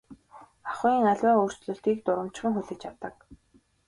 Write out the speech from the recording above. Ахуйн аливаа өөрчлөлтийг дурамжхан хүлээж авдаг.